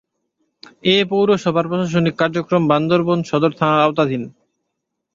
এ পৌরসভার প্রশাসনিক কার্যক্রম বান্দরবান সদর থানার আওতাধীন।